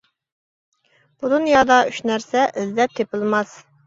بۇ دۇنيادا ئۈچ نەرسە، ئىزدەپ تېپىلماس.